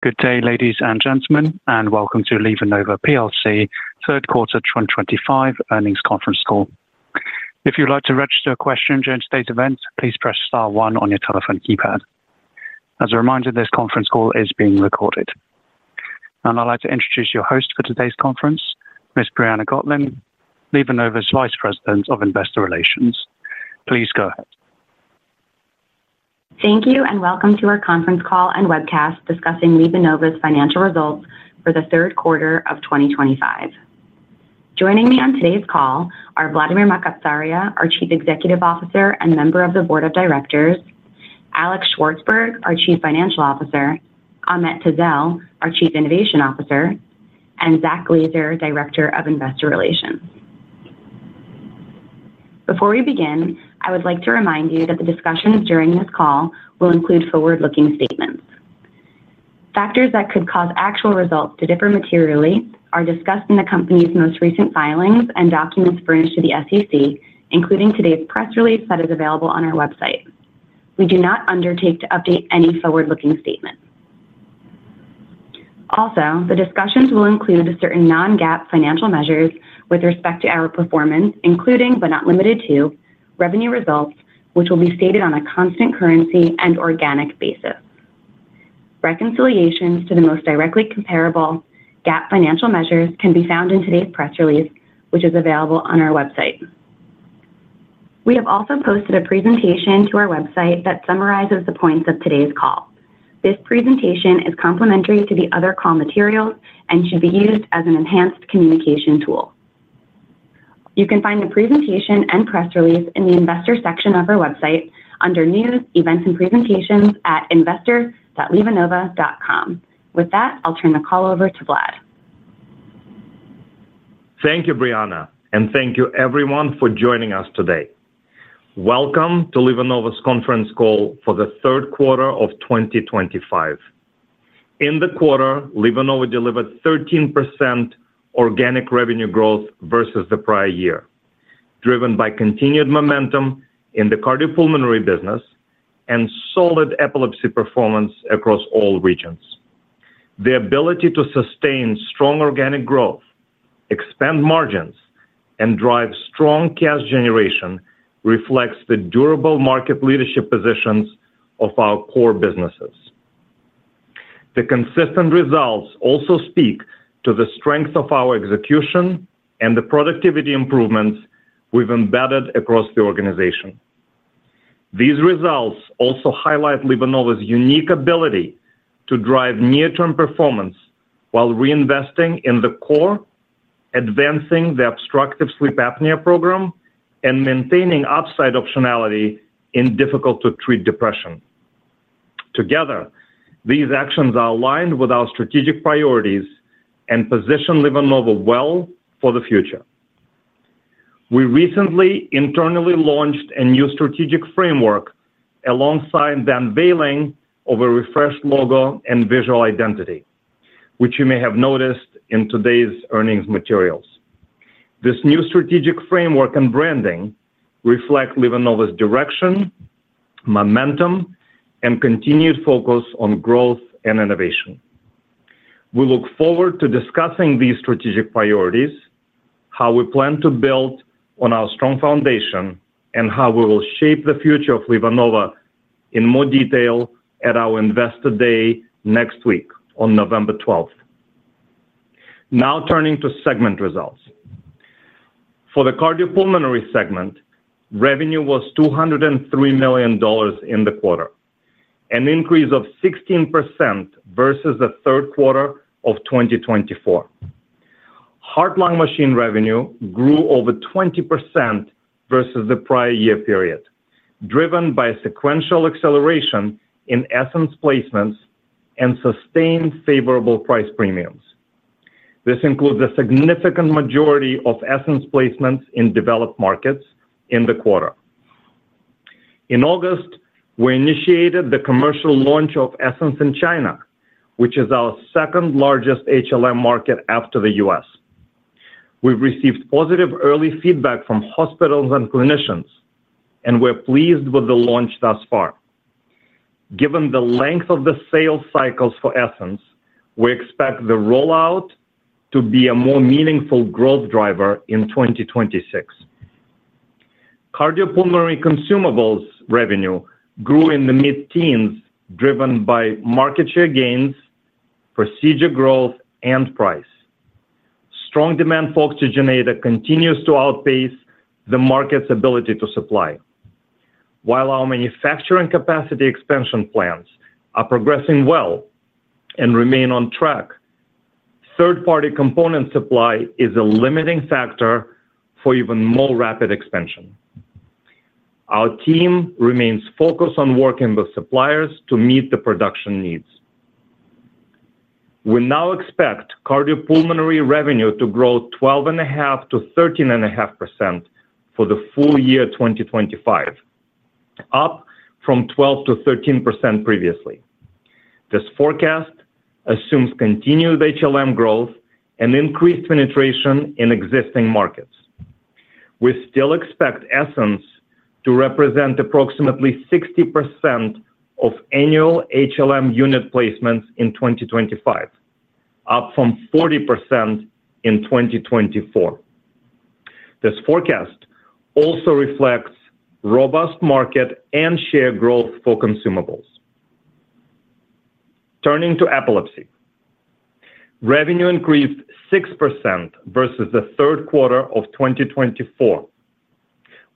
Good day, ladies and gentlemen, and welcome to LivaNova Third Quarter 2025 Earnings Conference Call. If you'd like to register a question during today's event, please press star 1 on your telephone keypad. As a reminder, this conference call is being recorded and I'd like to introduce your host for today's conference, Ms. Briana Gotlin, LivaNova's Vice President of Investor Relations. Please go ahead. Thank you and welcome to our conference call and webcast discussing LivaNova's financial results for the third quarter of 2025. Joining me on today's call are Vladimir Makatsaria, our Chief Executive Officer and Member of the Board of Directors, Alex Shvartsburg, our Chief Financial Officer, Ahmet Tezel, our Chief Innovation Officer, and Zach Glazer, Director of Investor Relations. Before we begin, I would like to remind you that the discussions during this call will include forward looking statements. Factors that could cause actual results to differ materially are discussed in the company's most recent filings and documents furnished to the SEC, including today's press release that is available on our website. We do not undertake to update any forward looking statement. Also, the discussions will include certain non-GAAP financial measures with respect to our performance, including but not limited to revenue results which will be stated on a constant currency and organic basis. Reconciliations to the most directly comparable GAAP financial measures can be found in today's press release, which is available on our website. We have also posted a presentation to our website that summarizes the points of today's call. This presentation is complementary to the other call materials and should be used as an enhanced communication tool. You can find the presentation and press release in the Investor section of our website under News Events and presentations at investor.livanova.com. With that, I'll turn the call over to Vlad. Thank you, Briana, and thank you, everyone, for joining us today. Welcome to LivaNova's conference call for the third quarter of 2025. In the quarter, LivaNova delivered 13% organic revenue growth versus the prior year, driven by continued momentum in the cardiopulmonary business and solid epilepsy performance across all regions. The ability to sustain strong organic growth, expand margins, and drive strong cash generation reflects the durable market leadership positions of our core businesses. The consistent results also speak to the strength of our execution and the productivity improvements we've embedded across the organization. These results also highlight LivaNova's unique ability to drive near-term performance while reinvesting in the core, advancing the obstructive sleep apnea program, and maintaining upside optionality in difficult to treat depression. Together, these actions are aligned with our strategic priorities and position LivaNova well for the future. We recently internally launched a new strategic framework alongside the unveiling of a refreshed logo and visual identity, which you may have noticed in today's earnings materials. This new strategic framework and branding reflect LivaNova's direction, momentum, and continued focus on growth and innovation. We look forward to discussing these strategic priorities, how we plan to build on our strong foundation, and how we will shape the future of LivaNova in more detail at our Investor Day next week on November 12th. Now turning to segment results for the cardiopulmonary segment, revenue was $203 million in the quarter, an increase of 16% versus the third quarter of 2024. Heart-lung machine revenue grew over 20% versus the prior year period, driven by a sequential acceleration in ESSENCE placements and sustained favorable price premiums. This includes a significant majority of ESSENCE placements in developed markets in the quarter. In August, we initiated the commercial launch of ESSENCE in China, which is our second largest HLM market after the U.S. We've received positive early feedback from hospitals and clinicians and we're pleased with the launch thus far. Given the length of the sales cycles for ESSENCE, we expect the rollout to be a more meaningful growth driver in 2026. Cardiopulmonary consumables revenue grew in the mid teens driven by market share gains, procedure growth and price. Strong demand for Oxygenator continues to outpace the market's ability to supply, while our manufacturing capacity expansion plans are progressing well and remain on track. Third party component supply is a limiting factor for even more rapid expansion. Our team remains focused on working with suppliers to meet the production needs. We now expect cardiopulmonary revenue to grow 12.5%-13.5 for the full year 2025, up from 12%-13 previously. This forecast assumes continued HLM growth and increased penetration in existing markets. We still expect ESSENCE to represent approximately 60% of annual HLM unit placements in 2025, up from 40% in 2024. This forecast also reflects robust market and share growth for consumables. Turning to epilepsy, revenue increased 6% versus the third quarter of 2024,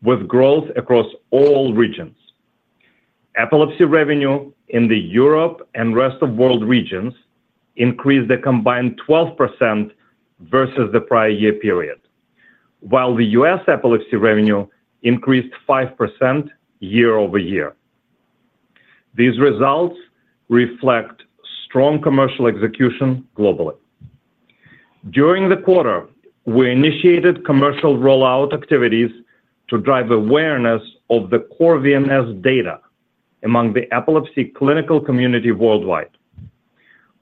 with growth across all regions. Epilepsy revenue in the Europe and Rest of world regions increased a combined 12% versus the prior year period, while the US epilepsy revenue increased 5% year-over-year. These results reflect strong commercial execution globally. During the quarter we initiated commercial rollout activities to drive awareness of the core VNS data among the epilepsy clinical community worldwide.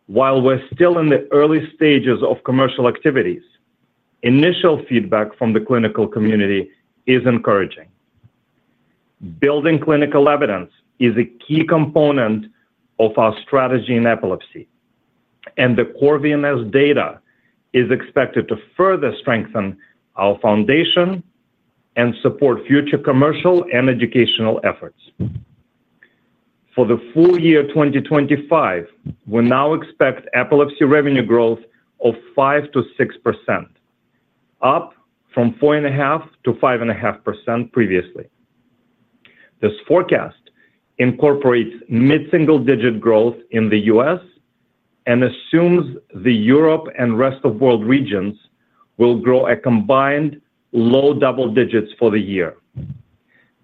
While we're still in the early stages of commercial activities, initial feedback from the clinical community is encouraging. Building clinical evidence is a key component of our strategy in epilepsy, and the core VNS data is expected to further strengthen our foundation and support future commercial and educational efforts. For the full year 2025, we now expect Epilepsy revenue growth of 5%-6 up from 4.5%-5.5 previously. This forecast incorporates mid single digit growth in the US and assumes the Europe and rest of world regions will grow a combined low double digits for the year.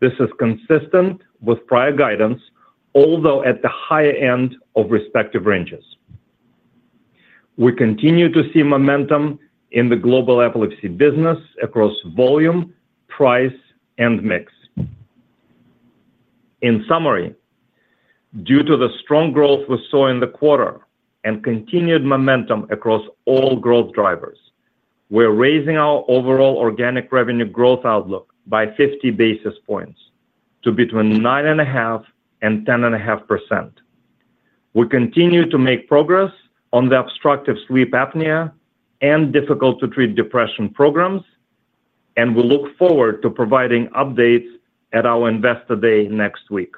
This is consistent with prior guidance, although at the higher end of respective ranges. We continue to see momentum in the global FLHC business across volume, price and mix. In summary, due to the strong growth we saw in the quarter and continued momentum across all growth drivers, we're raising our overall organic revenue growth outlook by 50 basis points to between 9.5% and 10.5%. We continue to make progress on the obstructive sleep apnea and difficult to treat depression programs and we look forward to providing updates at our Investor Day next week.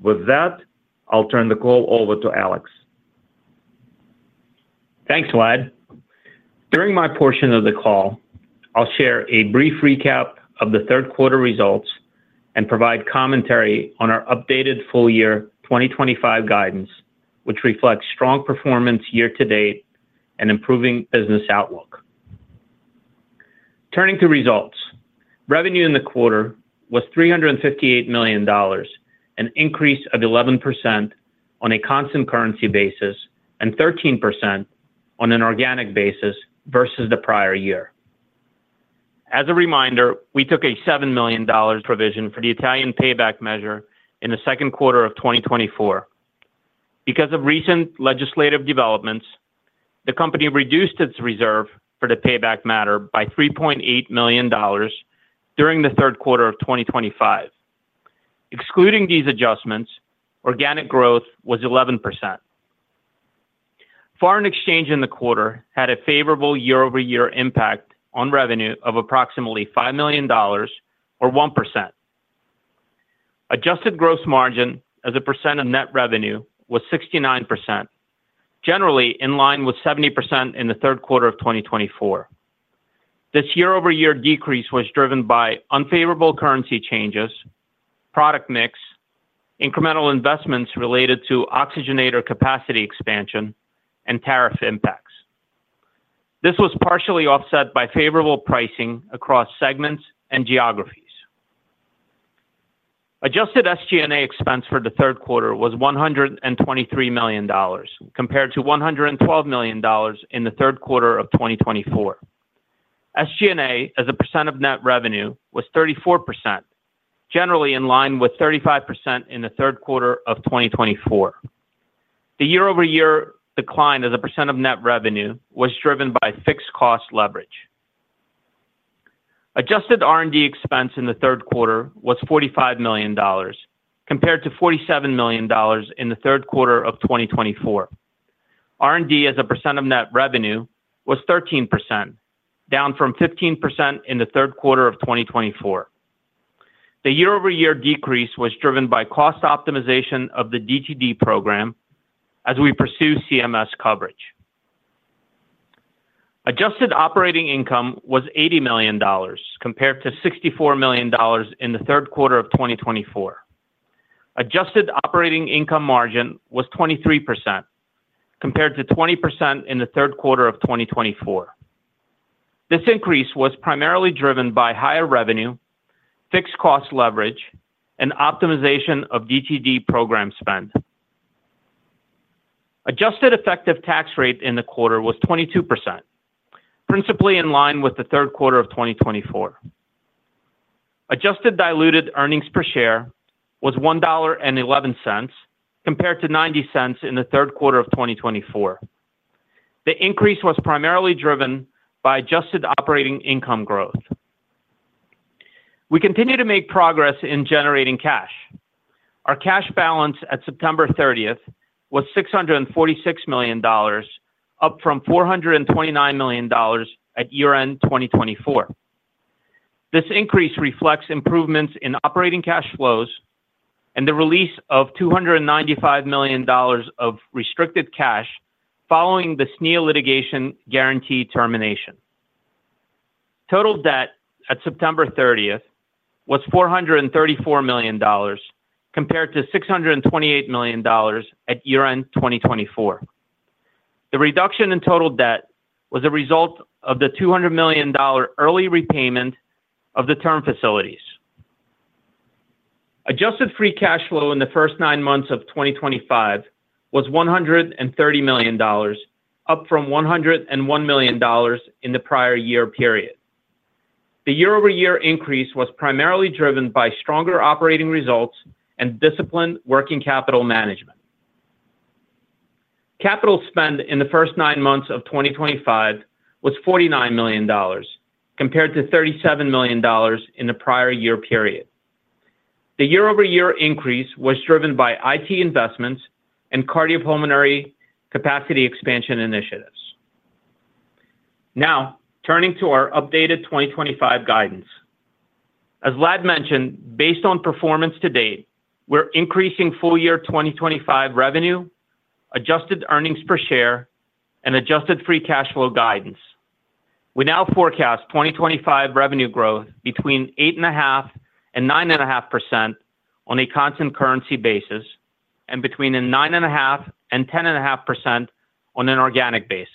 With that, I'll turn the call over to Alex. Thanks, Vlad. During my portion of the call, I'll share a brief recap of the third quarter results and provide commentary on our updated full year 2025 guidance, which reflects strong performance year to date and improving business outlook. Turning to results, revenue in the quarter was $358 million, an increase of 11% on a constant currency basis and 13% on an organic basis versus the prior year. As a reminder, we took a $7 million provision for the Italian payback measure in the second quarter of 2024. Because of recent legislative developments, the company reduced its reserve for the payback matter by $3.8 million during the third quarter of 2025. Excluding these adjustments, organic growth was 11%. Foreign exchange in the quarter had a favorable year-over-year impact on revenue of approximately $5 million or 1%. Adjusted gross margin as a percent of net revenue was 69% generally in line with 70% in the third quarter of 2024. This year-over-year decrease was driven by unfavorable currency changes, product mix, incremental investments related to oxygenator capacity expansion and tariff impacts. This was partially offset by favorable pricing across segments and geographies. Adjusted SGA expense for the third quarter was $123 million compared to $112 million in the third quarter of 2024. SGA as a percent of net revenue was 34% generally in line with 35% in the third quarter of 2024. The year-over-year decline as a percent of net revenue was driven by fixed cost leverage. Adjusted R&D expense in the third quarter was $45 million compared to $47 million in the third quarter of 2024. R&D as a percent of net revenue was 13% down from 15% in the third quarter of 2024. The year- over-year decrease was driven by cost optimization of the DTD program as we pursue CMS coverage. Adjusted operating income was $80 million compared to $64 million in the third quarter of 2024. Adjusted operating income margin was 23% compared to 20% in the third quarter of 2024. This increase was primarily driven by higher revenue, fixed cost leverage and optimization of DTD program spend. Adjusted effective tax rate in the quarter was 22% principally in line with the third quarter of 2024. Adjusted diluted earnings per share was $1.11 compared to $0.90 in the third quarter of 2024. The increase was primarily driven by adjusted operating income growth. We continue to make progress in generating cash. Our cash balance at September 30th was $646 million, up from $429 million at year end 2024. This increase reflects improvements in operating cash flows and the release of $295 million of restricted cash following the SNEA litigation guarantee termination. Total debt at September 30th was $434 million compared to $628 million at year end 2024. The reduction in total debt was a result of the $200 million early repayment of the term facilities. Adjusted free cash flow in the first nine months of 2025 was $130 million, up from $101 million in the prior year period. The year-over-year increase was primarily driven by stronger operating results and disciplined working capital management. Capital spend in the first nine months of 2025 was $49 million compared to $37 million in the prior year period. The year-over-year increase was driven by IT investments and cardiopulmonary capacity expansion initiatives. Now turning to our updated 2025 guidance. As Vlad mentioned, based on performance to date, we're increasing full year 2025 revenue, adjusted earnings per share and adjusted free cash flow guidance. We now forecast 2025 revenue growth between 8.5%-9.5 on a constant currency basis and between 9.5%-10.5 on an organic basis.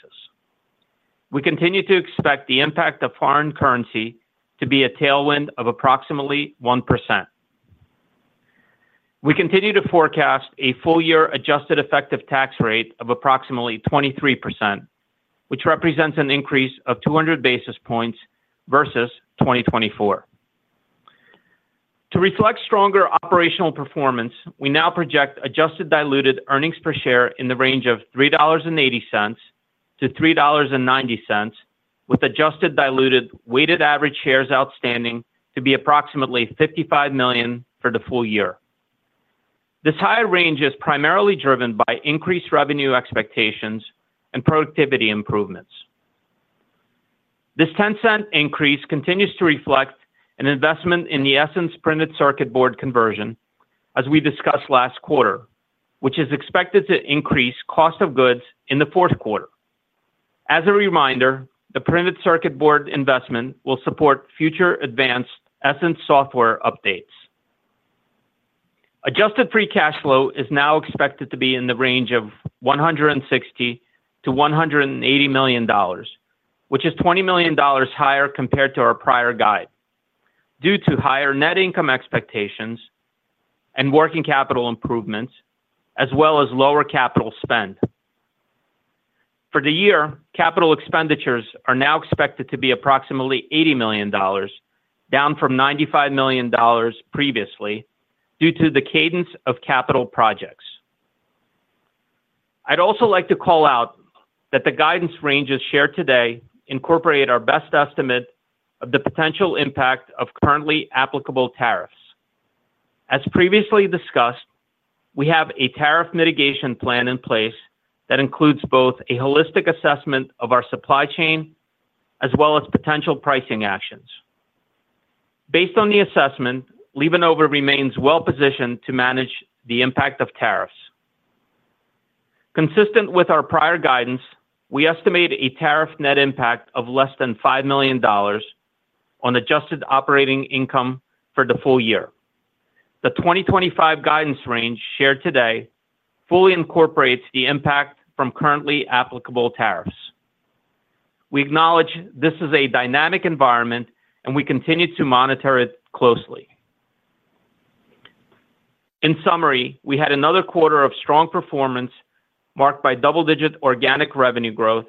We continue to expect the impact of foreign currency to be a tailwind of approximately 1%. We continue to forecast a full year adjusted effective tax rate of approximately 23%, which represents an increase of 200 basis points versus 2024. To reflect stronger operational performance, we now project adjusted diluted earnings per share in the range of $3.80 to 3.90 with adjusted diluted weighted average shares outstanding to be approximately 55 million for the full year. This higher range is primarily driven by increased revenue expectations and productivity improvements. This $0.10 increase continues to reflect an investment in the ESSENCE printed circuit board conversion as we discussed last quarter, which is expected to increase cost of goods in the fourth quarter. As a reminder, the printed circuit board investment will support future advanced ESSENCE software updates. Adjusted free cash flow is now expected to be in the range of $160 to 180 million, which is $20 million higher compared to our prior guide due to higher net income expectations, working capital improvements as well as lower capital spend for the year. Capital expenditures are now expected to be approximately $80 million, down from $95 million previously due to the cadence of capital projects. I'd also like to call out that the guidance ranges shared today incorporate our best estimate of the potential impact of currently applicable tariffs. As previously discussed, we have a tariff mitigation plan in place that includes both a holistic assessment of our supply chain as well as potential pricing actions based on the assessment. LivaNova remains well positioned to manage the impact of tariffs. Consistent with our prior guidance, we estimate a tariff net impact of less than $5 million on adjusted operating income for the full year. The 2025 guidance range shared today fully incorporates the impact from currently applicable tariffs. We acknowledge this is a dynamic environment and we continue to monitor it closely. In summary, we had another quarter of strong performance marked by double digit organic revenue growth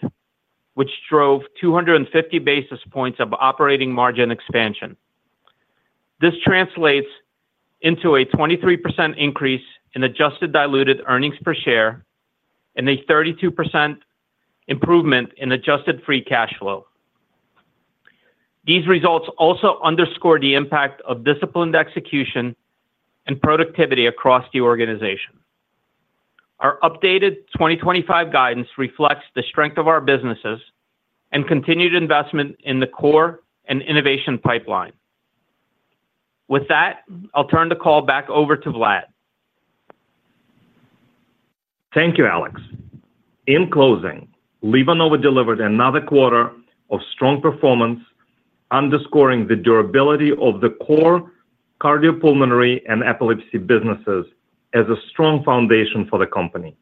which drove 250 basis points of operating margin expansion. This translates into a 23% increase in adjusted diluted earnings per share and a 32% improvement in adjusted free cash flow. These results also underscore the impact of disciplined execution productivity across the organization. Our updated 2025 guidance reflects the strength of our businesses and continued investment in the core and innovation pipeline. With that, I'll turn the call back over to Vlad. Thank you, Alex. In closing, LivaNova delivered another quarter of strong performance, underscoring the durability of the core cardiopulmonary and epilepsy businesses as a strong foundation for the company.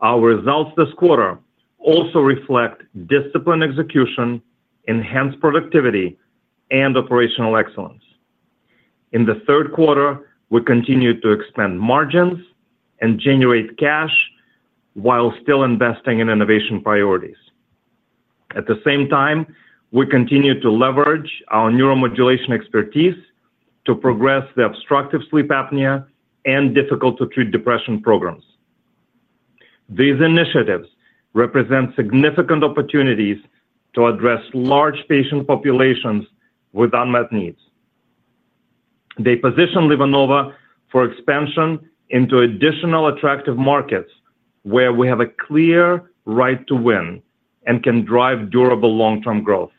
Our results this quarter also reflect disciplined execution, enhanced productivity and operational excellence. In the third quarter, we continued to expand margins and generate cash while still investing in innovation priorities. At the same time, we continue to leverage our neuromodulation expertise to progress the obstructive sleep apnea and difficult to treat depression programs. These initiatives represent significant opportunities to address large patient populations with unmet needs. They position LivaNova for expansion into additional attractive markets where we have a clear right to win and can drive durable long term growth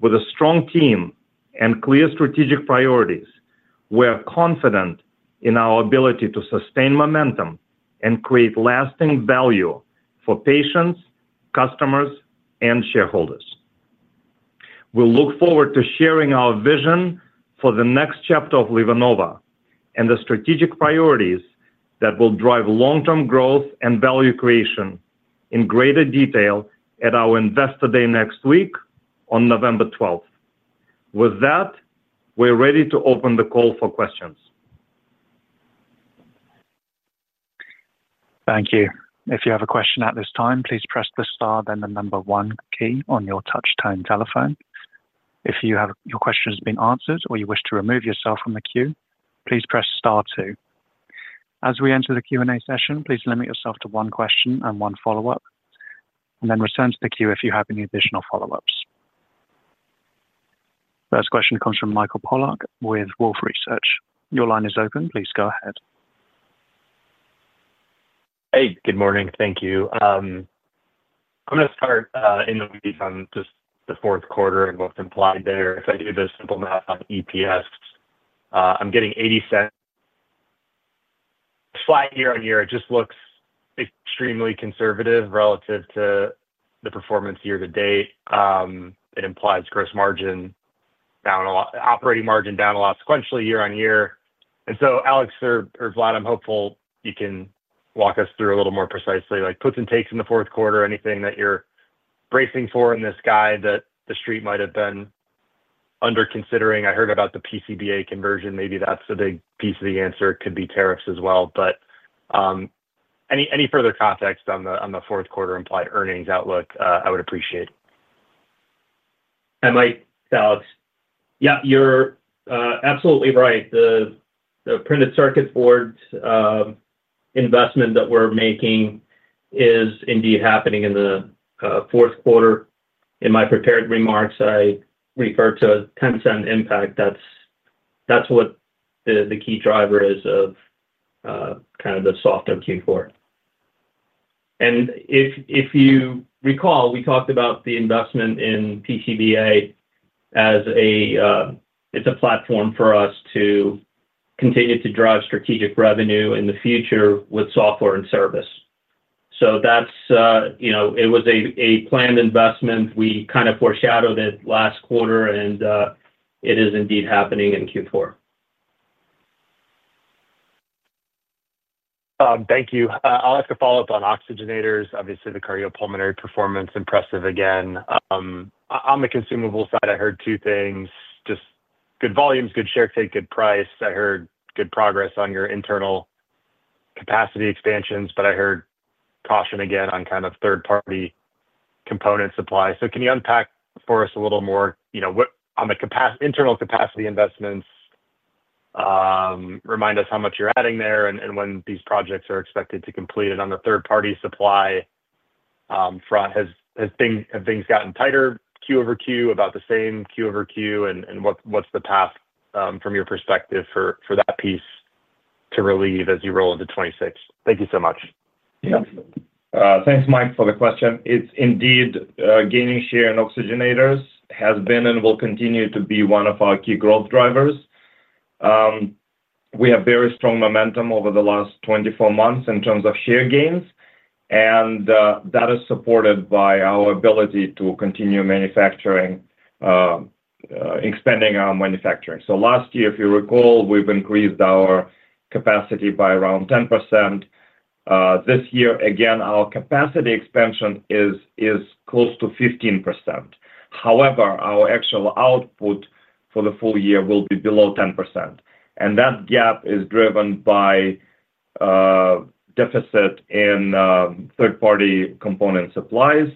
with a strong team and clear strategic priorities. We are confident in our ability to sustain momentum and create lasting value for patients, customers and shareholders. We look forward to sharing our vision for the next chapter of LivaNova and the strategic priorities that will drive long term growth and value creation in greater detail at our Investor Day next week on November 12th. With that, we're ready to open the call for questions. Thank you. If you have a question at this time, please press the star then the number one key on your touch tone telephone. If your question has been answered or you wish to remove yourself from the queue, please press star two. As we enter the Q&A session, please limit yourself to one question and one follow up and then return to the queue. If you have any additional follow ups. First question comes from Michael Pollack with Wolfe Research. Your line is open. Please go ahead. Hey, good morning. Thank you. I'm going to start in the week on just the fourth quarter and what's implied there? If I do the simple math on EPS I'm getting $0.80 flat year on year. It just looks extremely conservative relative to the performance year to date. It implies gross margin, operating margin down a lot sequentially year on year. Alex or Vladimir, hopefully you can walk us through a little more precisely like puts and takes in the fourth quarter. Anything that you're bracing for in this guide that the street might have been under considering. I heard about the PCBA conversion. Maybe that's a big piece of the answer. Could be tariffs as well. Any further context on the fourth quarter implied earnings outlook I would appreciate. I Mike, Alex, yeah, you're absolutely right. The printed circuit board investment that we're making is indeed happening in the fourth quarter. In my prepared remarks I refer to $0.10 impact. That's what the key driver is of kind of the soft MQ4. If you recall, we talked about the investment in PCBA as a platform for us to continue to drive strategic revenue in the future with software and service. That's, you know, it was a planned investment. We kind of foreshadowed it last quarter and it is indeed happening in Q4. Thank you. I'll have to follow up on oxygenators. Obviously the cardiopulmonary performance, impressive again on the consumable side. I heard two things, just good volumes, good share take, good price. I heard good progress on your internal capacity expansions, but I heard caution again on kind of third party component supply. Can you unpack for us a little more on the internal capacity investments? Remind us how much you're adding there and when these projects are expected to complete. On the third party supply, have things gotten tighter? Quarter-over-quarter? About the same. Quarter-over-quarter. What is the path from your perspective for that piece to relieve as you roll into 2026? Thank you so much. Thanks Mike for the question. It's indeed gaining share in oxygenators has been and will continue to be one of our key growth drivers. We have very strong momentum over the last 24 months in terms of share gains and that is supported by our ability to continue manufacturing, expanding our manufacturing. Last year, if you recall, we've increased our capacity by around 10%. This year again our capacity expansion is close to 15%. However, our actual output for the full year will be below 10% and that gap is driven by deficit in third party component supplies.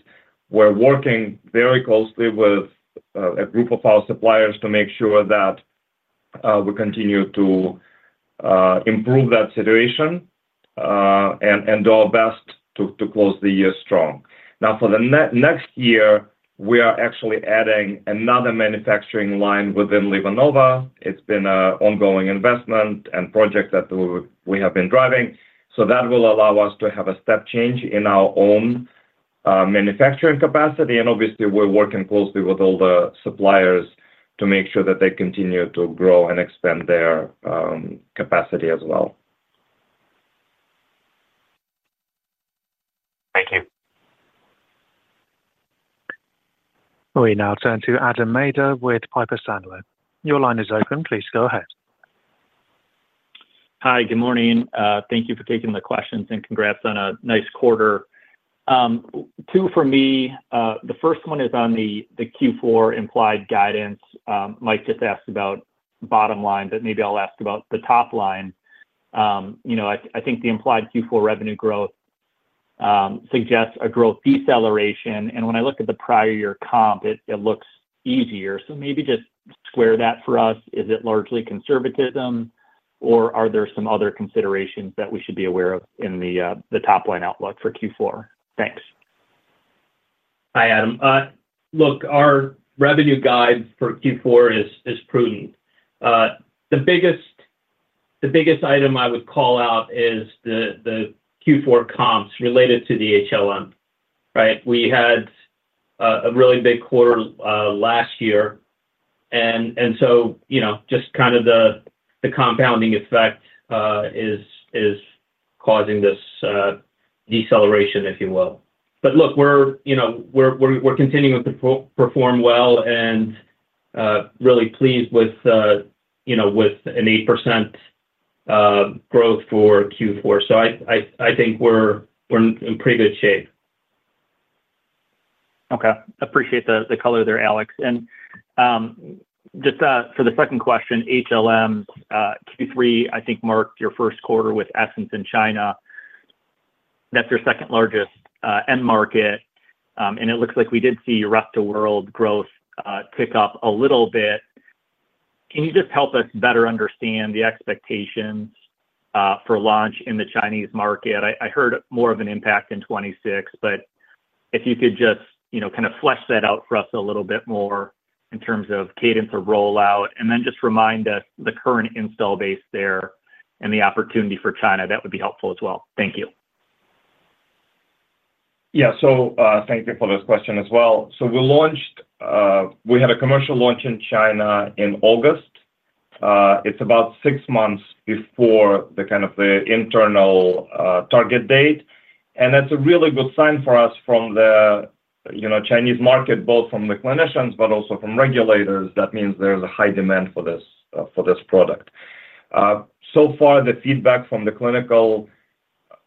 We're working very closely with a group of our suppliers to make sure that we continue to improve that situation and do our best to close the year strong. Now for the next year we are actually adding another manufacturing line within LivaNova. It's been an ongoing investment and project that we have been driving. That will allow us to have a step change in our own manufacturing capacity. Obviously, we're working closely with all the suppliers to make sure that they continue to grow and expand their capacity as well. Thank you. We now turn to Adam Maeder with Piper Sandler. Your line is open. Please go ahead. Hi, good morning. Thank you for taking the questions and congrats on a nice quarter. Two for me. The first one is on the Q4 implied guidance. Mike just asked about bottom line, but maybe I'll ask about the top line. You know, I think the implied Q4 revenue growth suggests a growth deceleration and when I look at the prior year comp, it looks easier. So maybe just square that for us. Is it largely conservatism or are there some other considerations that we should be aware of in the top line outlook for Q4? Thanks. Hi Adam. Look, our revenue guide for Q4 is prudent. The biggest item I would call out is the Q4 comps related to the HLM. Right. We had a really big quarter last year and so, you know, just kind of the compounding effect is causing this deceleration, if you will. Look, we're, you know, we're continuing to perform well and really pleased with, you know, with an 8% growth for Q4. I think we're, we're in pretty good shape. Okay. Appreciate the color there, Alex. Just for the second question, HLM Q3 I think marked your first quarter with ESSENCE in China. That's your second largest end market. It looks like we did see rest of world growth tick up a little bit. Can you just help us better understand the expectations for launch in the Chinese market? I heard more of an impact in 2026, but if you could just, you know, kind of flesh that out for us a little bit more in terms of cadence or rollout and then just remind us the current install base there and the opportunity for China, that would be helpful as well. Thank you. Yeah, so thank you for this question as well. We launched, we had a commercial launch in China in August. It is about six months before the kind of the internal target date. That is a really good sign for us from the Chinese market, both from the clinicians, but also from regulators. That means there is a high demand for this product. So far the feedback from the clinical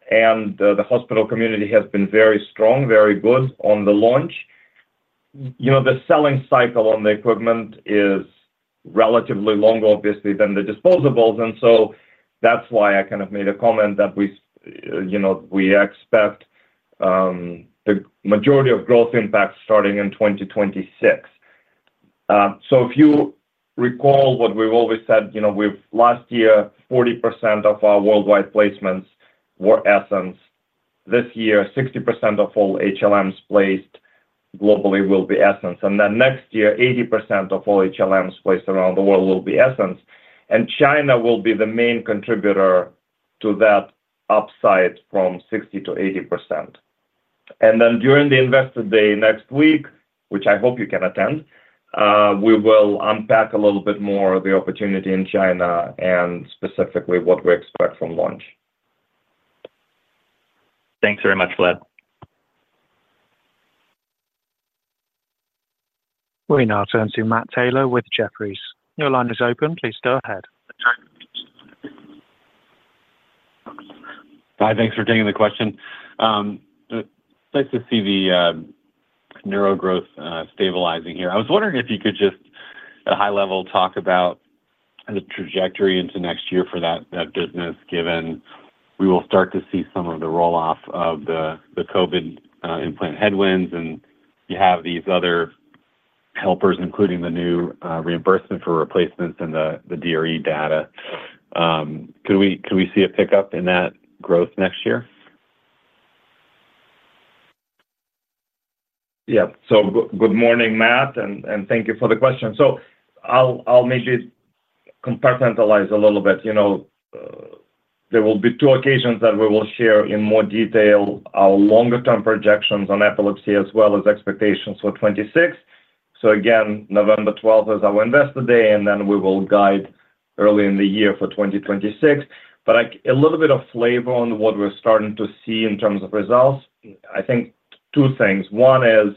and the hospital community has been very strong, very good on the launch. You know, the selling cycle on the equipment is relatively long obviously than the disposables. That is why I kind of made a comment that we, you know, we expect the majority of growth impacts starting in 2026. If you recall what we have always said, you know, we have. Last year 40% of our worldwide placements were ESSENCE. This year, 60% of all HLMs placed globally will be ESSENCE. Next year, 80% of all HLMs placed around the world will be ESSENCE. China will be the main contributor to that upside from 60%-80. During the investor day next week, which I hope you can attend, we will unpack a little bit more the opportunity in China and specifically what we expect from launch. Thanks very much, Vlad. We now turn to Matt Taylor with Jefferies. Your line is open. Please go ahead. Hi, thanks for taking the question. Nice to see the neuro growth stabilizing here. I was wondering if you could just at a high level talk about trajectory into next year for that business given we will start to see some of the roll off of the COVID implant headwinds. You have these other helpers, including the new reimbursement for replacements and the DRE data. Could we see a pickup in that growth next year? Yep. Good morning Matt, and thank you for the question. I'll maybe compartmentalize a little bit. You know, there will be two occasions that we will share in more detail our longer term projections on epilepsy as well as expectations for 2026. November 12th is our investor day and then we will guide early in the year for 2026. A little bit of flavor on what we're starting to see in terms of results. I think two things. One is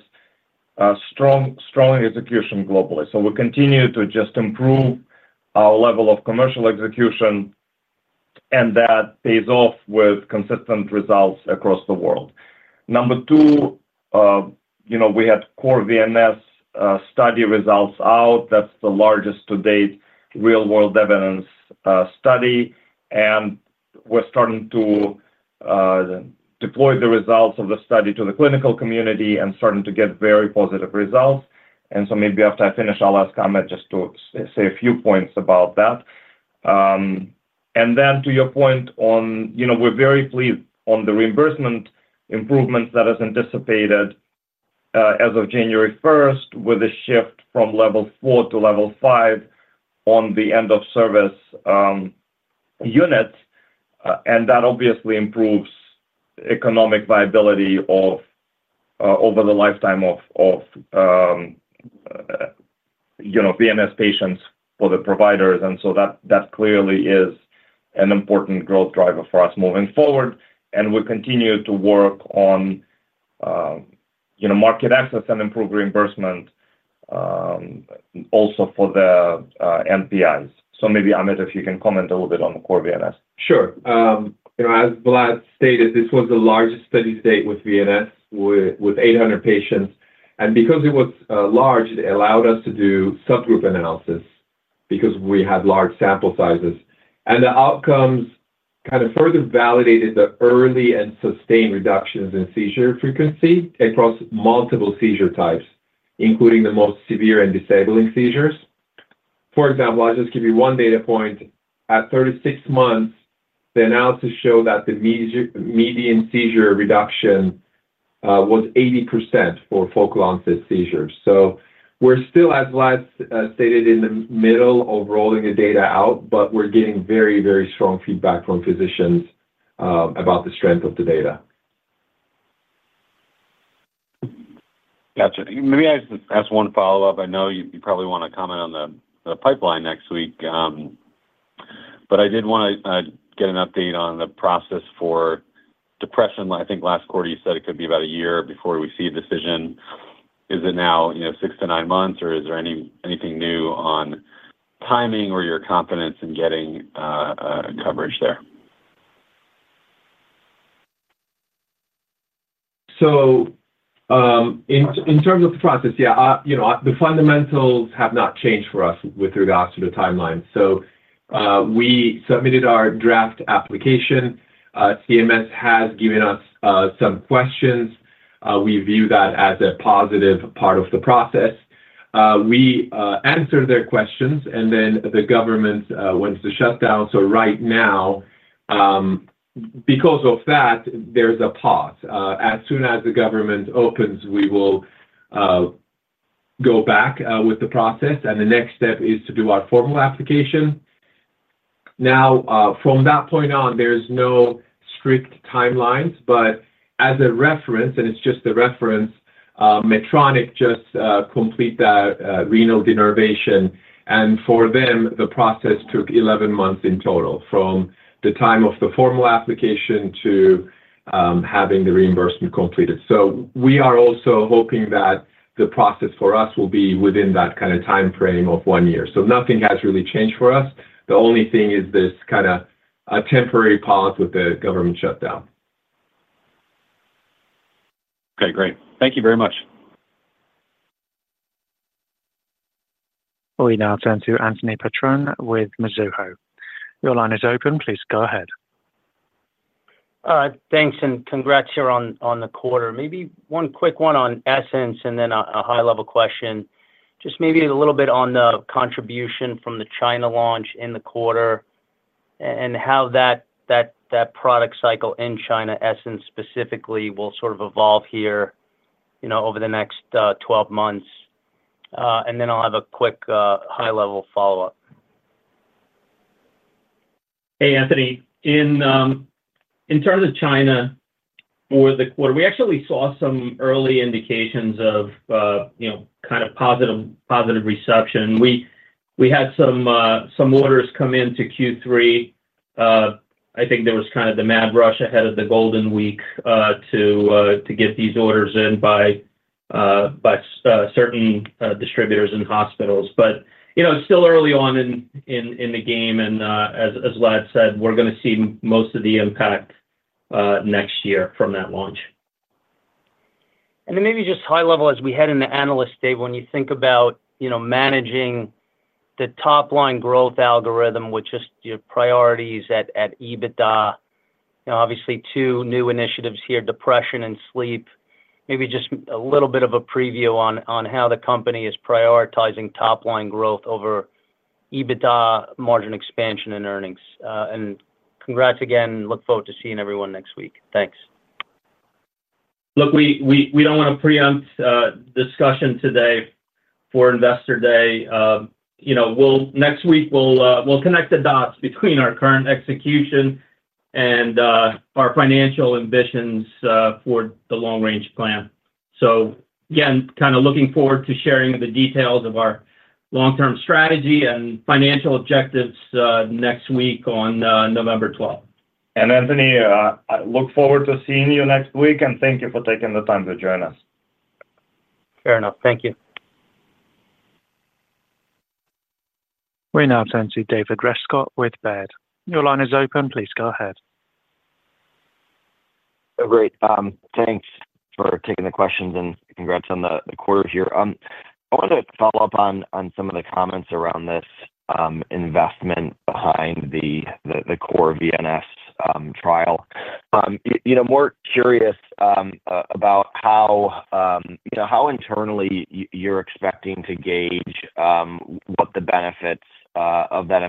strong execution globally. We continue to just improve our level of commercial execution and that pays off with consistent results across the world. Number two, you know, we had core VNS study results out. That's the largest to date real world evidence study. We're starting to deploy the results of the study to the clinical community and starting to get very positive results. Maybe after I finish, I'll ask Ahmet to just say a few points about that. To your point on, you know, we're very pleased on the reimbursement improvements that is anticipated as of January 1 with a shift from Level 4 to Level 5 on the end of service units that obviously improves economic viability over the lifetime of VNS patients for the providers. That clearly is an important growth driver for us moving forward. We continue to work on market access and improve reimbursement also for the NPIs. Maybe Ahmet, if you can comment a little bit on core VNS. Sure. As Vlad stated, this was the largest study to date with VNS with 800 patients. Because it was large, it allowed us to do subgroup analysis because we had large sample sizes and the outcomes kind of further validated the early and sustained reductions in seizure frequency across multiple seizure types, including the most severe and disabling seizures. For example, I'll just give you one data point. At 36 months, the analysis showed that the median seizure reduction was 80% for focal onset seizures. We are still, as Vlad stated, in the middle of rolling the data out, but we are getting very, very strong feedback from physicians about the strength of the data. Gotcha. Maybe I just ask one follow up I know you probably want to comment on the pipeline next week, but I did want to get an update on the process for depression. I think last quarter you said it could be about a year before we see a decision. Is it now, you know, six to nine months or is there anything new on timing or your confidence in getting coverage there? In terms of the process, yeah, you know, the fundamentals have not changed for us with regards to the timeline. We submitted our draft application. CMS has given us some questions. We view that as a positive part of the process. We answer their questions and then the government wants to shut down. Right now because of that, there's a pause. As soon as the government opens, we will go back with the process and the next step is to do our formal application. Now from that point on, there is no strict timelines. As a reference, and it is just a reference, Medtronic just completed that renal denervation. For them the process took 11 months in total from the time of the formal application to having the reimbursement completed. We are also hoping that the process for us will be within that kind of time frame of one year. Nothing has really changed for us. The only thing is this kind of temporary pause with the government shutdown. Okay, great. Thank you very much. We now turn to Anthony Petrone with Mizuho. Your line is open. Please go ahead. Thanks. Congrats here on the quarter. Maybe one quick one on ESSENCE and then a high level question, just maybe a little bit on the contribution from the China launch in the quarter and how that product cycle in China, ESSENCE specifically, will sort of evolve here, you know, over the next 12 months. I have a quick high level follow up. Hey Anthony, in terms of China for the quarter, we actually saw some early indications of, you know, kind of positive reception. We had some orders come into Q3. I think there was kind of the mad rush ahead of the golden week to get these orders in by certain distributors and hospitals. You know, still early on in the game and as Vlad said, we're going to see most of the impact next year from that launch. Maybe just high level as we head into analyst day. When you think about, you know, managing the top line growth algorithm with just your priorities at EBITDA, obviously two new initiatives here, depression and sleep. Maybe just a little bit of a preview on how the company is prioritizing top line growth over EBITDA margin expansion in earnings. Congrats again. Look forward to seeing everyone next week. Thanks. Look, we do not want to preempt discussion today for Investor Day next week. We will connect the dots between our current execution and our financial ambitions for the long range plan. Again, kind of looking forward to sharing the details of our long term strategy and financial objectives next week on November 12. Anthony, I look forward to seeing you next week and thank you for taking the time to join us. Fair enough. Thank you. We now turn to David Rescott with Baird. Your line is open. Please go ahead. Great. Thanks for taking the questions and congrats on the quarter here. I want to follow up on some of the comments around this investment behind the Core VNS trial. You know, more curious about how internally you're expecting to gauge what the benefits of that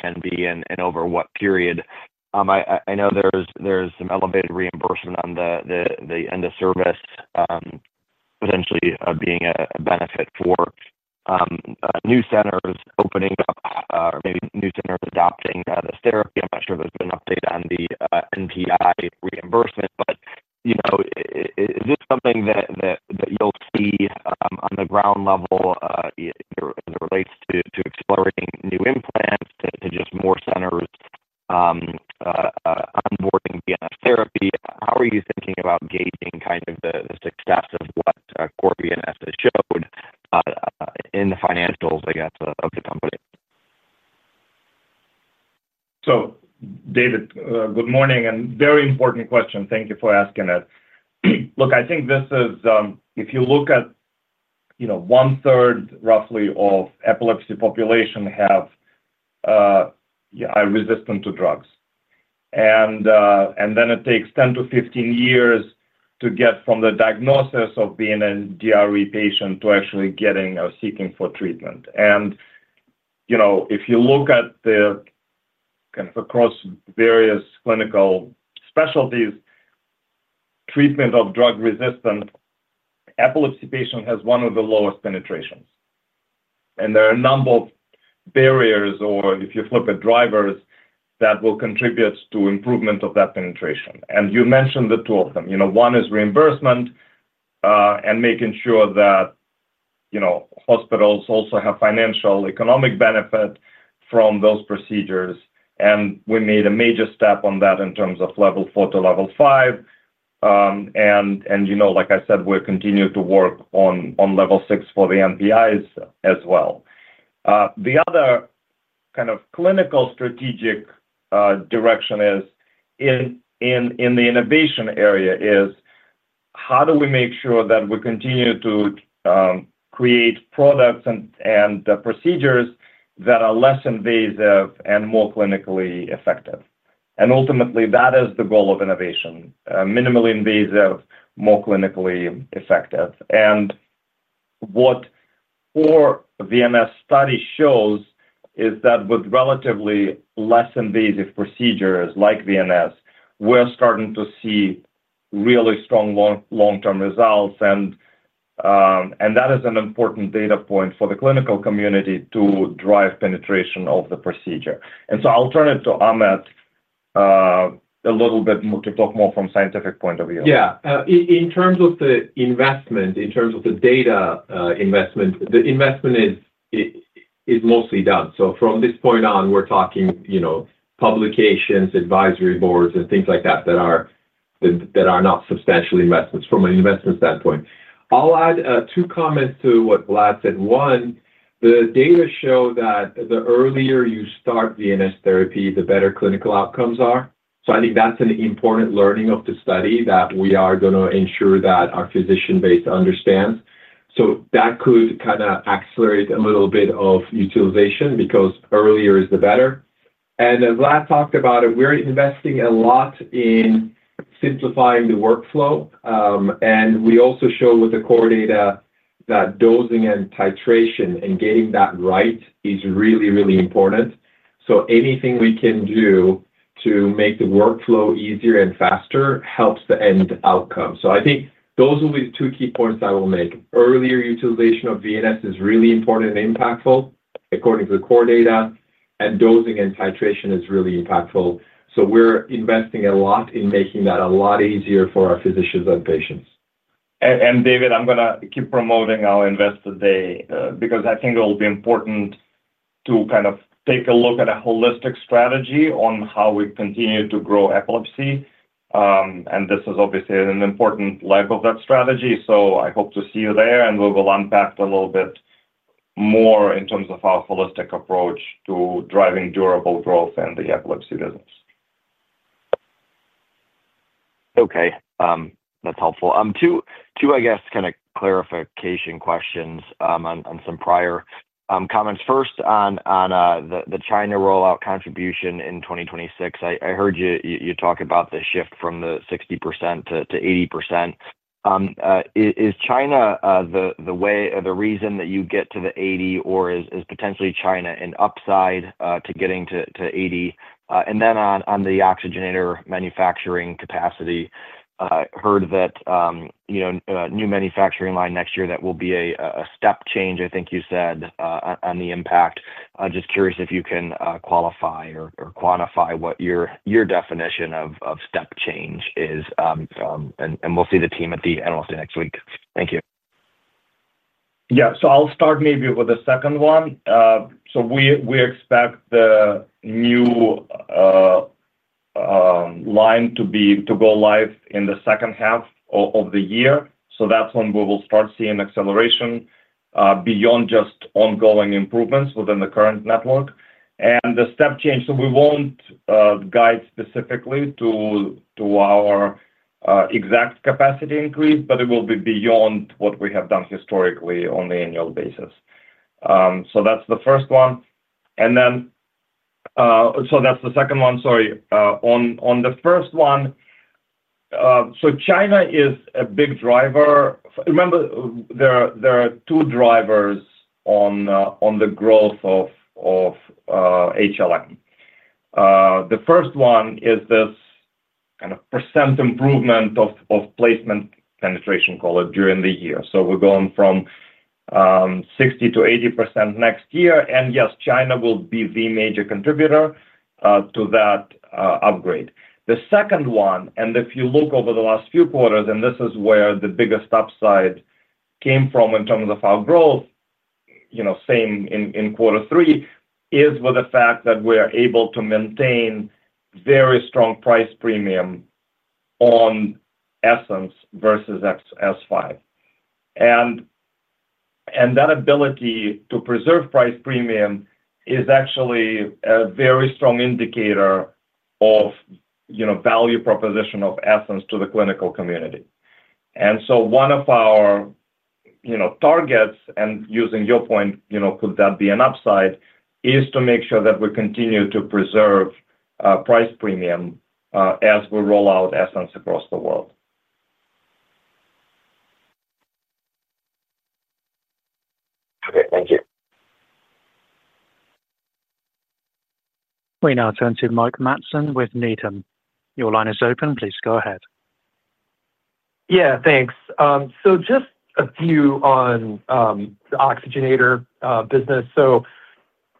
can be and over what period. I know there's some elevated reimbursement on the end of service potentially being a benefit for new centers opening up or maybe new centers adopting this therapy. I'm not sure there's been an update on the NPI reimbursement. But you know, is this something that you'll see on the ground level as it relates to exploring new implants to just more centers onboarding therapy? How are you thinking about gauging kind of the success of what Core VNS has shown in the financials, I guess of the company? David, good morning and very important question. Thank you for asking it. Look, I think this is if you look at, you know, one third roughly of epilepsy population are resistant to drugs and then it takes 10-15 years to get from the diagnosis of being a DRE patient to actually getting or seeking for treatment. And you know, if you look at the kind of across various clinical specialties, treatment of drug resistant epilepsy patient has one of the lowest penetrations and there are a number of barriers or if you flip it, drivers that will contribute to improvement of that penetration. You mentioned the two of them, one is reimbursement and making sure that hospitals also have financial economic benefit from those procedures. We made a major step on that in terms of level four to level five. Like I said, we're continuing to work on level six for the NPIs as well. The other kind of clinical strategic direction in the innovation area is how do we make sure that we continue to create products and procedures that are less invasive and more clinically effective. Ultimately that is the goal of innovation. Minimally invasive, more clinically effective. What VNS study shows is that with relatively less invasive procedures like VNS, we're starting to see really strong long term results. That is an important data point for the clinical community to drive penetration of the procedure. I'll turn it to Ahmet a little bit to talk more from a scientific point of view. Yeah. In terms of the investment, in terms of the data investment, investment is mostly done. From this point on, we're talking, you know, publications, advisory boards and things like that are not substantial investments from an investment standpoint. I'll add two comments to what Vlad said. One, the data show that the earlier you start VNS therapy, the better clinical outcomes are. I think that's an important learning of the study that we are going to ensure that our physician base understands. That could kind of accelerate a little bit of utilization because earlier is the better. As Vlad talked about it, we're investing a lot in simplifying the workflow. We also show with the core data that dosing and titration and getting that right is really, really important. Anything we can do to make the workflow easier and faster helps the end outcome. I think those will be two key points I will make earlier. Utilization of VNS is really important and impactful according to the core data and dosing and titration is really impactful. We are investing a lot in making that a lot easier for our physicians and patients. David, I'm going to keep promoting our investor day because I think it will be important to kind of take a look at a holistic strategy on how we continue to grow epilepsy. This is obviously an important leg of that strategy. I hope to see you there and we will unpack a little bit more in terms of our holistic approach to driving durable growth in the epilepsy business. Okay, that's helpful. Two, I guess kind of clarification questions on some prior comments. First, on the China rollout contribution in 2026. I heard you talk about the shift from the 60%-80. Is China the way, the reason that you get to the 80% or is potentially China an upside to getting to 80%? And then on the oxygenator manufacturing capacity, heard that, you know, new manufacturing line next year, that will be a step change. I think you said on the impact. Just curious if you can qualify or quantify what your definition of step change is. And we'll see the team at the analyst day next week. Thank you. Yeah, I'll start maybe with the second one. We expect the new line to go live in the second half of the year. That's when we will start seeing acceleration beyond just ongoing improvements within the current network and the step change. We won't guide specifically to our exact capacity increase, but it will be beyond what we have done historically on an annual basis. That's the first one. On the first one, China is a big driver. Remember, there are two drivers on the growth of HLM. The first one is this kind of % improvement of placement penetration, call it during the year. We're going from 60%-80 next year, and yes, China will be the major contributor to that upgrade. The second one, and if you look over the last few quarters and this is where the biggest upside came from in terms of our growth, you know, same in, in quarter three is with the fact that we are able to maintain very strong price premium on ESSENCE versus S5. And that ability to preserve price premium is actually a very strong indicator of, you know, value proposition of ESSENCE to the clinical community. And so one of our targets, and using your point, could that be an upside is to make sure that we continue to preserve price premium as we roll out ESSENCE across the world. Okay, thank you. We now turn to Mike Matson with Needham. Your line is open. Please go ahead. Yeah, thanks. So just a few on the Oxygenator business.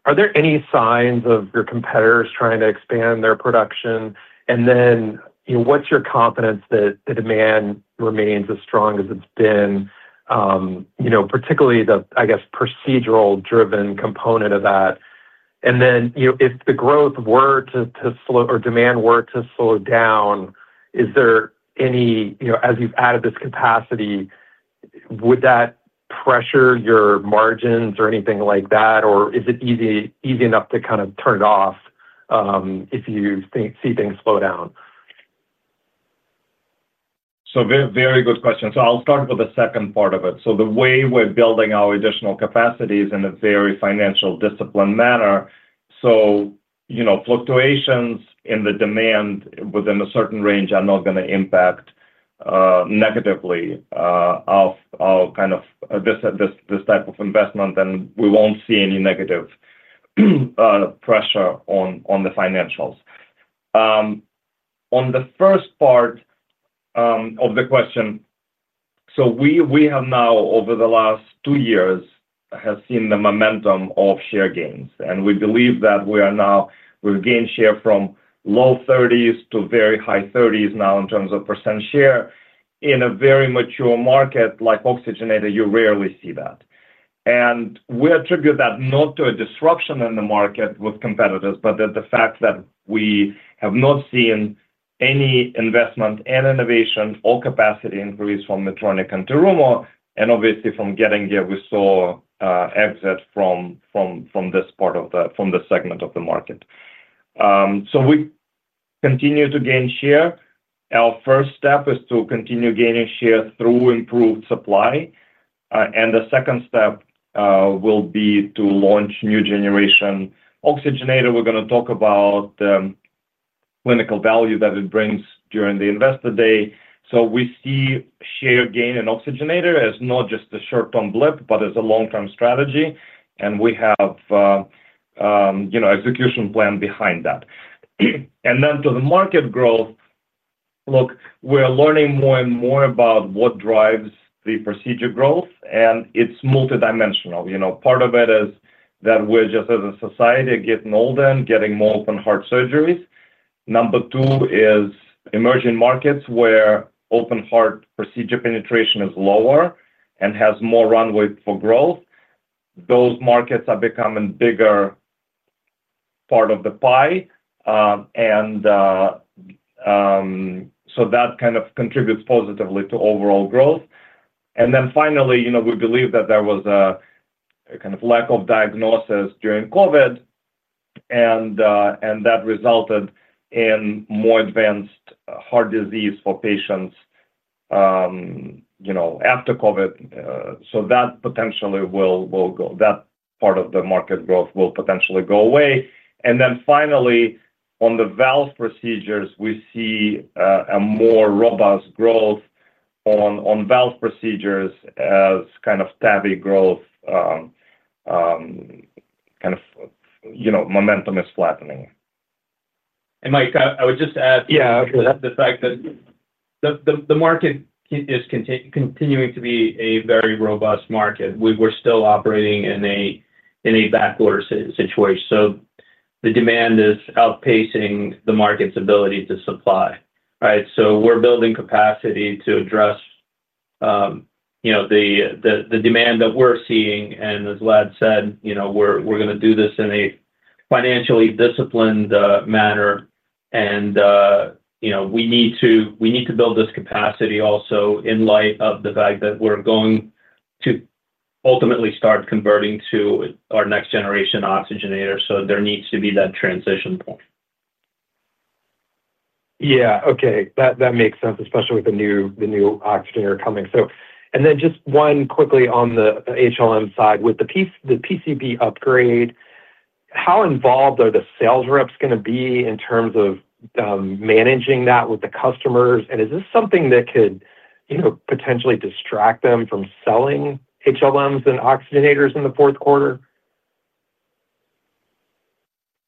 Are there any signs of your competitors trying to expand their production? And then, you know, what's your confidence. That the demand remains as strong as it's been? Particularly the, I guess, procedural driven component of that If the growth were to If demand were to slow down, is there any, as you've added this capacity, would that pressure your margins or anything like that? Or is it easy enough to kind of turn it off if you see things slow down? Very good question. I'll start with the second part of it. The way we're building our additional capacities is in a very financially disciplined manner, so you know, fluctuations in the demand within a certain range are not going to impact negatively this type of investment. We won't see any negative pressure on the financials. On the first part of the question, we have now over the last two years seen the momentum of share gains, and we believe that we are now, we've gained share from low 30s to very high 30s now in terms of % share. In a very mature market like Oxygenator, you rarely see that. We attribute that not to a disruption in the market with competitors, but to the fact that we have not seen any investment and innovation or capacity increase from Medtronic and Terumo, and obviously from Getinge, we saw exit from this part of the segment of the market. We continue to gain share. Our first step is to continue gaining share through improved supply. The second step will be to launch new generation Oxygenator. We're going to talk about clinical value that it brings during the investor day. We see share gain. Oxygenator is not just a short term blip, but a long term strategy. We have, you know, execution plan behind that. To the market growth, look, we're learning more and more about what drives the procedure growth and it's multidimensional. Part of it is that we're just as a society getting older and getting more open heart surgeries. Number two is emerging markets where open heart procedure penetration is lower and has more runway for growth. Those markets are becoming bigger part of the pie and that kind of contributes positively to overall growth. Finally, we believe that there was a kind of lack of diagnosis during COVID, and that resulted in more advanced heart disease for patients after COVID. That part of the market growth will potentially go away. Finally, on the valve procedures, we see a more robust growth on valve procedures as kind of TAVR growth, kind of, you know, momentum is flattening. Mike, I would just add. Yeah. The fact that the market is continuing to be a very robust market. We were still operating in a backorder situation. The demand is outpacing the market's ability to supply. Right. We are building capacity to address, you know, the demand that we are seeing. As Vlad said, you know, we are going to do this in a financially disciplined manner. You know, we need to build this capacity also in light of the fact that we are going to ultimately start converting to our next generation oxygenator. There needs to be that transition point. Yeah, okay, that makes sense. Especially with the new, the new Oxygenator coming. Then just one quickly, on the HLM side with the piece, the PCBA. Upgrade, how involved are the sales reps? Going to be in terms of managing that with the customers? Is this something that could, you know, potentially distract them from selling HLMs. Oxygenators in the fourth quarter?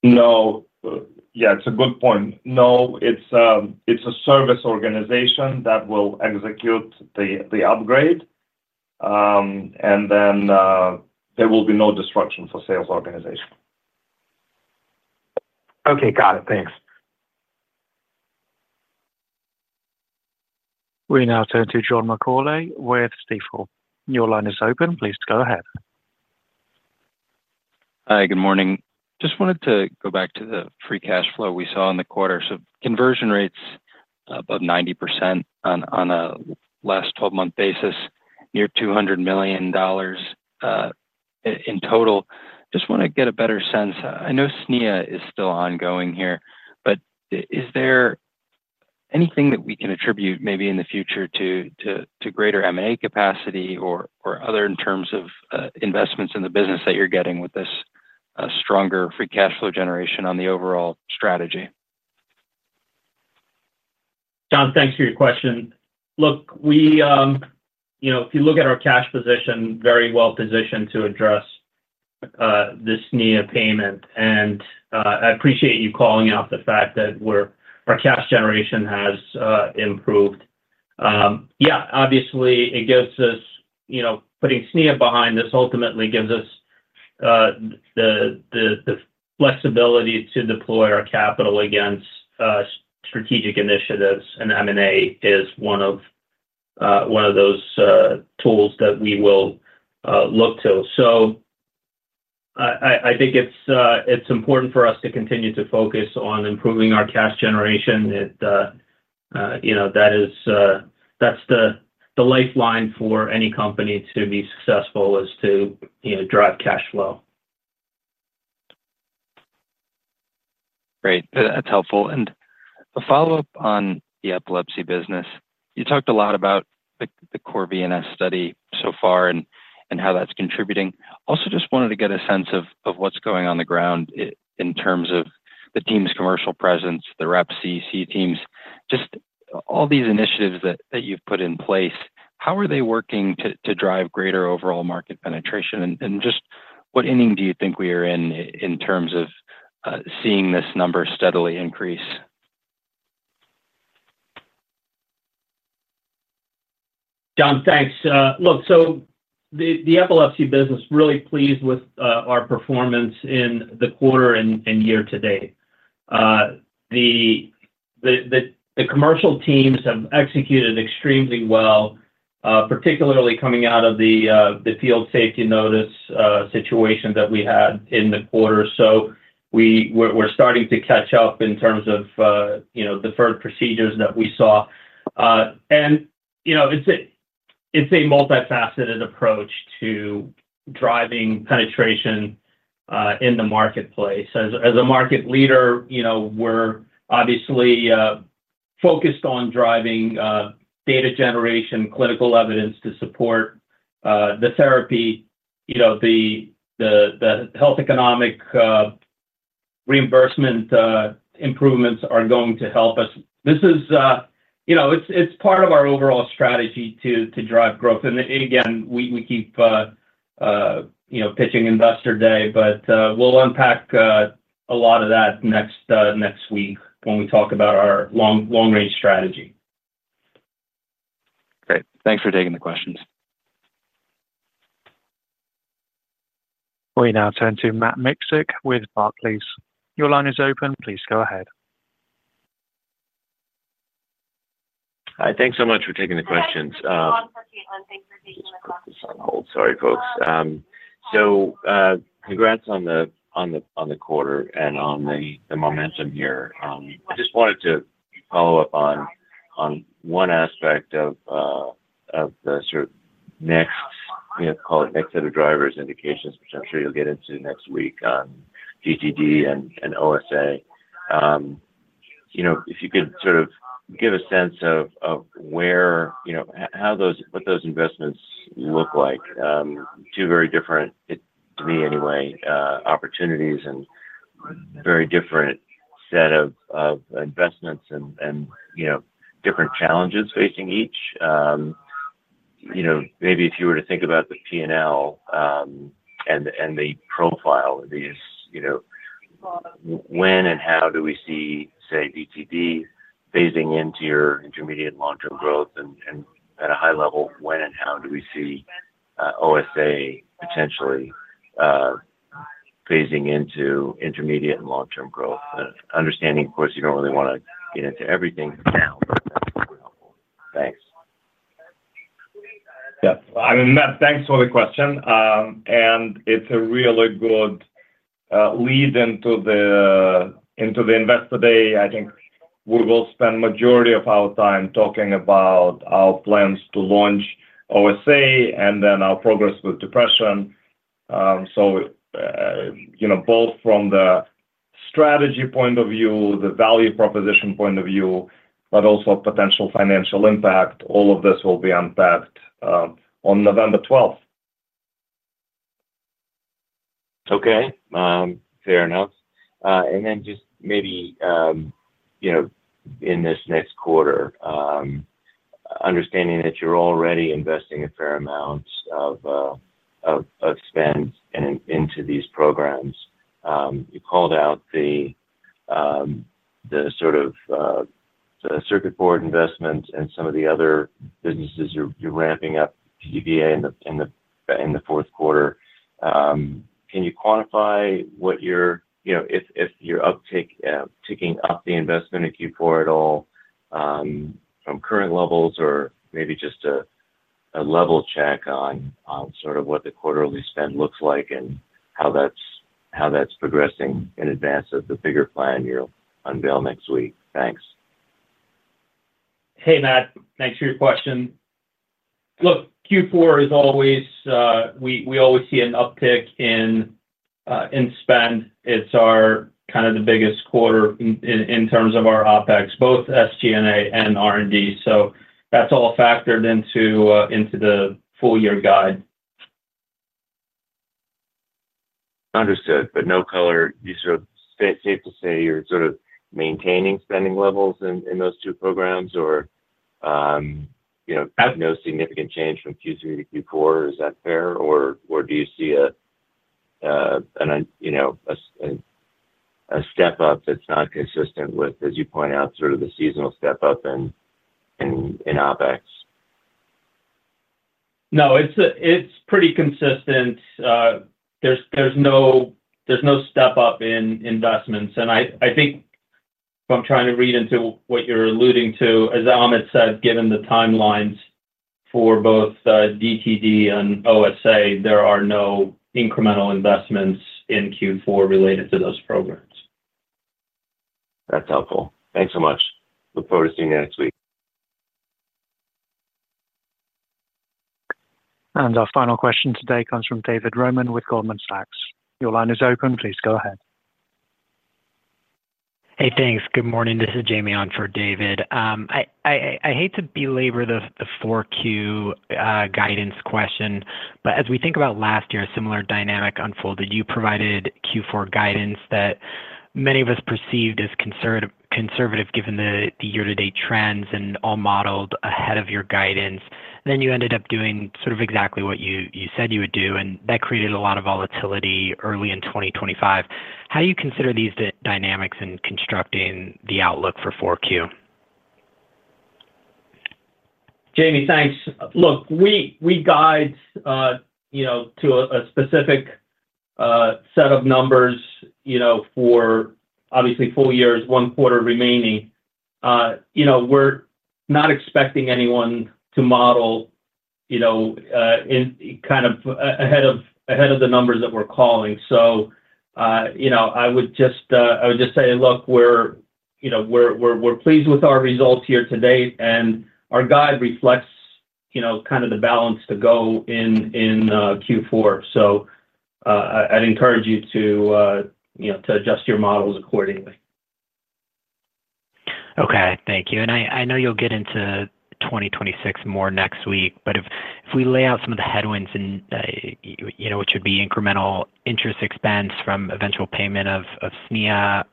No, yeah, it's a good point. No, it's a service organization that will execute the upgrade and then there will be no disruption for sales organization. Okay, got it, thanks. We now turn to John McCauley with Stifel. Your line is open. Please go ahead. Hi, good morning. Just wanted to go back to the free cash flow we saw in the quarter. Conversion rates above 90% on a last 12 month basis, near $200 million in total. Just want to get a better sense. I know SNEA is still ongoing here, but is there anything that we can attribute maybe in the future to greater MA capacity or, or other in terms of investments in the business that you're getting with this stronger free cash flow generation on the overall strategy? John, thanks for your question. Look, we, you know, if you look at our cash position, very well positioned to address this near payment and I appreciate you calling out the fact that we're. Our cash generation has improved. Yeah, obviously it gives us, you know, putting SNEA behind this ultimately gives us the flexibility to deploy our capital against strategic initiatives and M and A is one of, one of those tools that we will look to. I think it's important for us to continue to focus on improving our cash generation. It's, you know, that is, that's the lifeline for any company to be successful is to drive cash flow. Great, that's helpful. A follow up on the epilepsy business. You talked a lot about the core VNS study so far and how that's contributing. Also just wanted to get a sense of what's going on the ground in terms of the team's commercial presence, the rep CEC teams, just all these initiatives that you've put in place, how are they working to drive greater overall market penetration and just what inning do you think we are in in terms of seeing this number steadily increase? John, thanks. Look, the epilepsy business, really pleased with our performance in the quarter and year to date. The commercial teams have executed extremely well, particularly coming out of the field safety notice situation that we had in the quarter. We're starting to catch up in terms of deferred procedures that we saw and it's a multifaceted approach to driving penetration in the marketplace. As a market leader, you know, we're obviously focused on driving data generation, clinical evidence to support the therapy, you know, the health, economic reimbursement improvements are going to help us. This is, you know, it's part of our overall strategy to drive growth. Again, we keep, you know, pitching investor day, but we'll unpack a lot of that next week when we talk about our long, long range strategy. Great. Thanks for taking the questions. We now turn to Matt Miksic with Barclays. Your line is open. Please go ahead. Thanks so much for taking the questions. Thank you. Just put this on hold. Sorry folks. Congrats on the quarter and on the momentum here. I just wanted to follow up on one aspect of the sort of next, you know, call it next set of drivers indications which I'm sure you'll get into next week on DTD and OSA. You know, if you could sort of give a sense of where, you know, how those, what those investments look like. Two very different to me anyway opportunities and very different set of investments and, you know, different challenges facing each. You know, maybe if you were to think about the P&L and the profile of these, you know, when and how do we see say DTD phasing into your intermediate long term growth and at a high level, when and how do we see OSA potentially phasing into intermediate and long term growth? Understanding, of course you don't really want to get into everything now. Thanks. Yeah, I mean, Matt, thanks for the question. It's a really good lead into the investor day. I think we will spend the majority of our time talking about our plans to launch OSA and then our progress with depression. You know, both from the strategy point of view, the value proposition point of view, but also potential financial impact. All of this will be unpacked on November 12th. Okay, fair enough. Just maybe in this next quarter, understanding that you're already investing a fair amount of spend into these programs, you called out the sort of circuit board investment and some of the other businesses. You're ramping up PDA in the fourth quarter. Can you quantify what your, you know, if you're upticking up the investment in Q4 at all from current levels or maybe just a level check on sort of what the quarterly spend looks like and how that's progressing in advance of the bigger plan you'll unveil next week. Thanks. Hey Matt, thanks for your question. Look, Q4 is always, we always see an uptick in spend. It's our kind of the biggest quarter in terms of our OpEx, both SGA and R&D. That's all factored into the full year guide. Understood. No color, you know. Safe to say you're sort of maintaining spending levels in those two programs or, you know, no significant change from Q3-Q4. Is that fair, or do you see a step up that's not consistent with, as you point out, sort of the seasonal step up in OpEx? No, it's pretty consistent. There's no step up in investments and I think from trying to read into what you're alluding to, as Ahmet said, given the timelines for both DTD and OSA, there are no incremental investments in Q4 related to those programs. That's helpful. Thanks so much. Look forward to seeing you next week. Our final question today comes from David Roman with Goldman Sachs. Your line is open. Please go ahead. Hey, thanks. Good morning. This is Jamie on for David. I hate to belabor the 4Q guidance question, but as we think about last year, a similar dynamic unfolded. You provided Q4 guidance that many of us perceived as conservative given the year to date trends and all modeled ahead of your guidance. You ended up doing sort of exactly what you said you would do. That created a lot of volatility early in 2025. How do you consider these dynamics in constructing the outlook for 4Q? Jamie, thanks. Look, we guide, you know, to a specific set of numbers, you know, for obviously four years, one quarter remaining. You know, we're not expecting anyone to model, you know, in kind of ahead of the numbers that we're calling. I would just say, look, we're, you know, we're pleased with our results here today, and our guide reflects, you know, kind of the balance to go in, in Q4. I'd encourage you to, you know, to adjust your models accordingly. Okay, thank you. I know you'll get into 2026 more next week, but if we lay out some of the headwinds, which would be incremental interest expense from eventual payment of SNEA,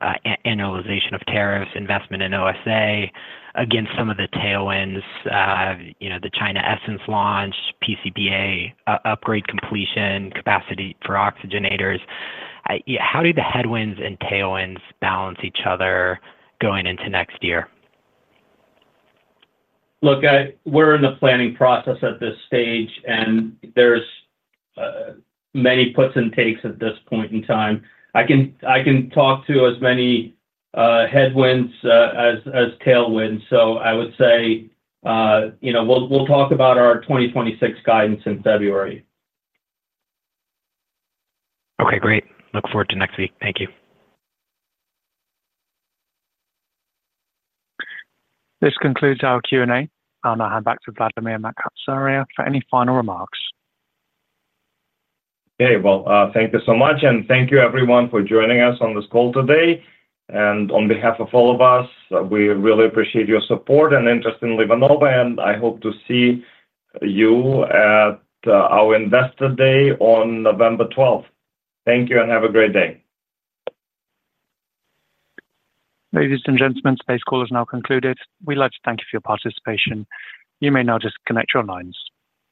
annualization of tariffs, investment in OSA, against some of the tailwinds, the China ESSENCE launch, PCBA upgrade completion, capacity for oxygenators. How do the headwinds and tailwinds balance each other going into next year? Look, we're in the planning process at this stage and there's many puts and takes at this point in time. I can talk to as many headwinds as tailwinds. I would say, you know, we'll talk about our 2026 guidance in February. Okay, great. Look forward to next week. Thank you. This concludes our Q&A. I'll now hand back to Vladimir Makatsaria for any final remarks. Okay, thank you so much and thank you everyone for joining us on this call today. On behalf of all of us, we really appreciate your support and interest in LivaNova. I hope to see you at our Investor Day on November 12th. Thank you and have a great day. Ladies and gentlemen, this call is now concluded. We'd like to thank you for your participation. You may now disconnect your lines.